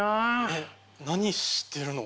えっ何してるの？